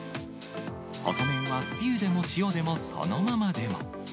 細麺はつゆでも塩でも、そのままでも。